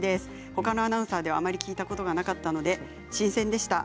ほかのアナウンサーではあまり聞いたことがなかったので新鮮でした。